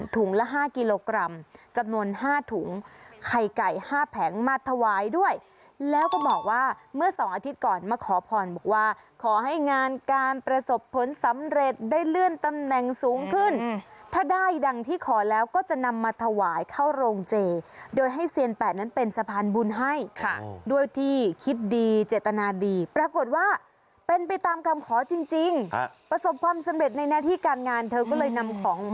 ละ๕กิโลกรัมจำนวน๕ถุงไข่ไก่๕แผงมาถวายด้วยแล้วก็บอกว่าเมื่อสองอาทิตย์ก่อนมาขอพรบอกว่าขอให้งานการประสบผลสำเร็จได้เลื่อนตำแหน่งสูงขึ้นถ้าได้ดังที่ขอแล้วก็จะนำมาถวายเข้าโรงเจโดยให้เซียนแปดนั้นเป็นสะพานบุญให้ด้วยที่คิดดีเจตนาดีปรากฏว่าเป็นไปตามคำขอจริงประสบความสำเร็จในหน้าที่การงานเธอก็เลยนำของ